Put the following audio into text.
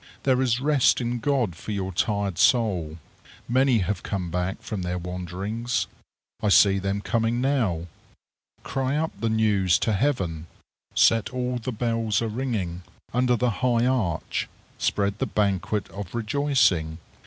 There is rest in God for your tired soul. Many have come back from their wanderings. I see them coming now. Cry up the news to heaven! Set all the bells a ringing! Under the high arch spread the banquet of rejoicing.